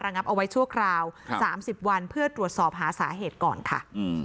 งับเอาไว้ชั่วคราว๓๐วันเพื่อตรวจสอบหาสาเหตุก่อนค่ะ